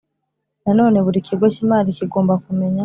Nanone buri kigo cy imari kigomba kumenya